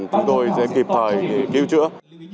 chúng tôi sẽ kịp thời để cứu chữa